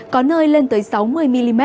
có nơi lên tới sáu mươi mm